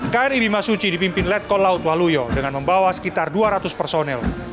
kri bimasuci dipimpin letkol laut waluyo dengan membawa sekitar dua ratus personel